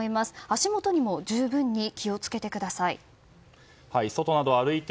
足元にも十分に気を付けてください。